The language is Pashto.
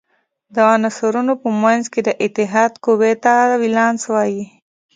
د عنصرونو په منځ کې د اتحاد قوې ته ولانس وايي.